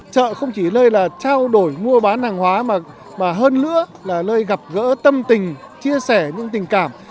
trợ không chỉ lơi là trao đổi mua bán hàng hóa mà hơn nữa là lơi gặp gỡ tâm tình chia sẻ những tình cảm